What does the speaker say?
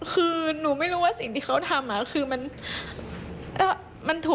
คือหนูไม่รู้ว่าสิ่งที่เขาทำคือมันทุกข์